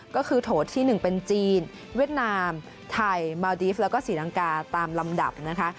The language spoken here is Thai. ก็คือโถที่๑เป็นจีนเวียดนามไทยมาวดีฟแล้วก็ศรีลังกาตามลำดับนะคะ